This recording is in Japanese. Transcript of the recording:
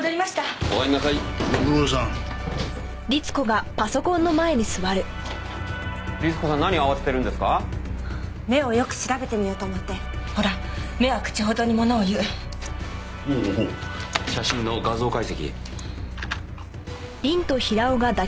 おおっ写真の画像解析。